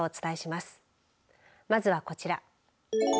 まずはこちら。